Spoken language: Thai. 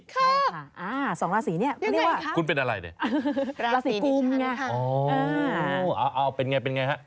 ครับยังไงครับคุณเป็นอะไรเนี่ยราศีด้วยการทรัพย์อ๋อเป็นไงครับ